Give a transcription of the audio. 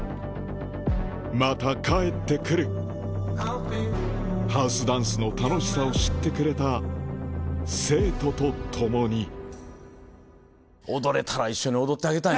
また帰ってくるハウスダンスの楽しさを知ってくれた生徒と共に踊れたら一緒に踊ってあげたいんすけどね。